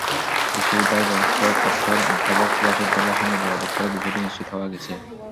বিশ্ববিদ্যালয়ের প্রক্টর অধ্যাপক সিরাজুদ্দৌলার সঙ্গে যোগাযোগ করে বিষয়টি নিশ্চিত হওয়া গেছে।